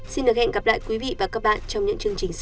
xin được hẹn gặp lại quý vị và các bạn trong những chương trình sau